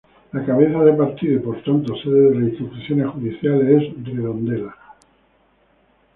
La cabeza de partido y por tanto sede de las instituciones judiciales es Redondela.